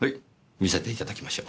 見せていただきましょう。